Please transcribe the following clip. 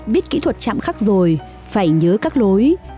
biết kỹ thuật chạm khắc rồi phải nhớ các lối